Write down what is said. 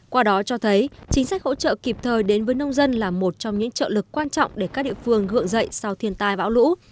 qua đó cho thấy chính sách hỗ trợ kịp thời đến với nông dân là một trong những trợ lực quan trọng để các địa phương gượng dậy sau thiên tai bão lũ